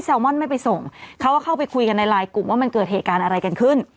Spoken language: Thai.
ลมอนไม่ไปส่งเขาก็เข้าไปคุยกันในไลน์กลุ่มว่ามันเกิดเหตุการณ์อะไรกันขึ้น